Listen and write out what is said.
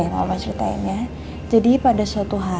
mama takut sayang udah jangan takut ya